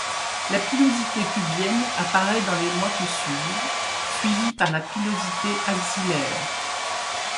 La pilosité pubienne apparait dans les mois qui suivent, suivie par la pilosité axillaire.